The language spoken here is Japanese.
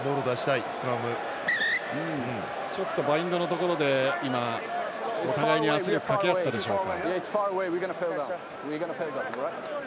バインドのところでお互いに圧力をかけ合ったでしょうか。